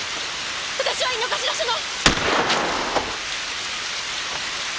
私は井の頭署の。